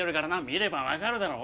見れば分かるだろう。